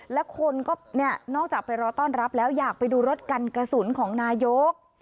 แล้วคนก็เนี่ยนอกจากไปรอต้อนรับแล้วอยากไปดูรถกันกระสุนของนายก